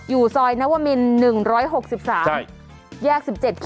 อยู่ซอยนวมิน๑๖๓แยก๑๗